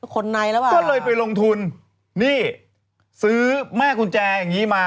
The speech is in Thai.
ก็เลยไปลงทุนนี่ซื้อแม่กุญแจอย่างงี้มา